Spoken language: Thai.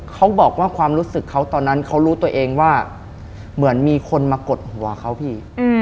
เขาบอกว่าความรู้สึกเขาตอนนั้นเขารู้ตัวเองว่าเหมือนมีคนมากดหัวเขาพี่